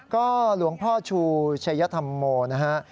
ก็หลวงพ่อชูชัยธรรมโมนะฮะ